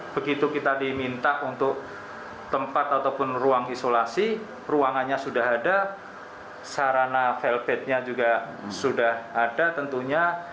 begitu kita diminta untuk tempat ataupun ruang isolasi ruangannya sudah ada sarana felbetnya juga sudah ada tentunya